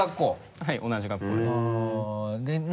はい同じ学校です。